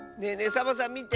サボさんみて。